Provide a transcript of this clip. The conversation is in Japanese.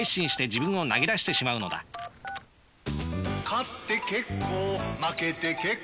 「勝って結構負けて結構」